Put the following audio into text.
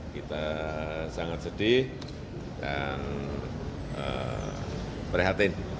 kita sangat sedih dan prihatin